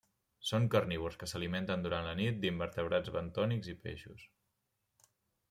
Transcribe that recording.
Són carnívors que s'alimenten durant la nit d'invertebrats bentònics i peixos.